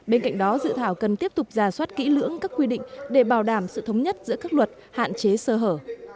bên cạnh đó dự thảo cần tiếp tục ra soát kỹ lưỡng các quy định để bảo đảm sự thống nhất giữa các luật hạn chế sơ hở